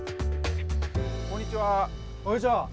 こんにちは。